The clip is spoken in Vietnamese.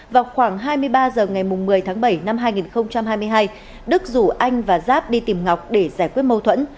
vào khoảng hai mươi ba h ngày một mươi tháng bảy năm hai nghìn hai mươi hai đức rủ anh và giáp đi tìm ngọc để giải quyết mâu thuẫn